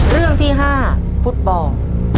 เรื่องที่๕ฟุตบอล